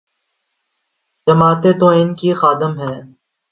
جماعتیں تو ان کی خادم ہیں۔